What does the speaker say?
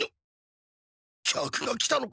客が来たのか！？